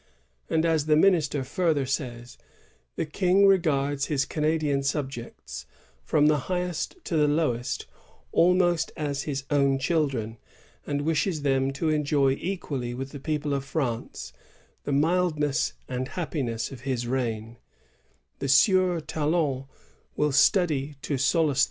^" And as, " the minister further says, "the King regards his Canadian sub jects, from the highest to the lowest, almost as his own children, and wishes them to enjoy equally with the people of France the mildness and happiness of his reign, the Sieur Talon will study to solace them 1 TarifE of Prices, in N.